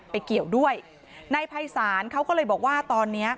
เกี่ยวด้วยนายภัยศาลเขาก็เลยบอกว่าตอนเนี้ย